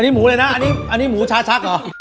อันนี้หมูเลยนะอันนี้หมูชาชักเหรอ